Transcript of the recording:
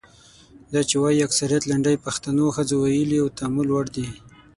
دا چې وايي اکثریت لنډۍ پښتنو ښځو ویلي د تامل وړ ده.